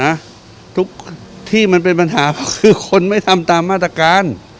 มาตรการมันมีอยู่แล้วจ้ะทุกที่มันเป็นปัญหาคือคนไม่ทำตามมาตรการ